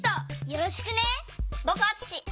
よろしく！